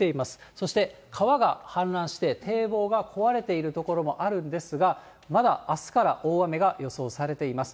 そして、川が氾濫して、堤防が壊れている所もあるんですが、まだあすから大雨が予想されています。